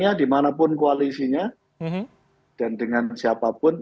untuk bisa beralih koalisi atau kemudian jangan jangan prakornas akan merubah proposal pkn